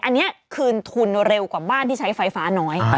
อันนี้คืนทุนเร็วกว่าบ้านที่ใช้ไฟฟ้าน้อย